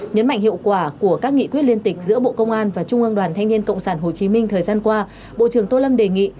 nhấn mạnh hiệu quả của các nghị quyết liên tịch giữa bộ công an và trung ương đoàn thanh niên cộng sản hồ chí minh thời gian qua bộ trưởng tô lâm đề nghị